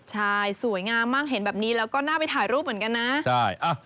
ใช่สวยงามมากเห็นแบบนี้แล้วก็น่าไปถ่ายรูปเหมือนกันนะ